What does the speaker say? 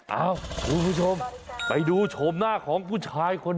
เอ้าคุณผู้ชมไปดูโฉมหน้าของผู้ชายคนนี้